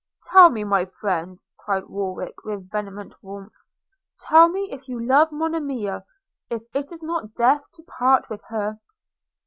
'Tell me, my friend,' cried Warwick with vehement warmth – 'tell me if you love Monimia – if it is not death to part with her?'